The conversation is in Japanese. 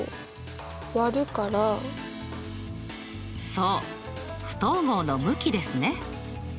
そう不等号の向きですね。